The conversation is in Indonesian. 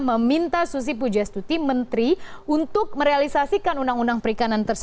meminta susi pujastuti menteri untuk merealisasikan undang undang perikanan tersebut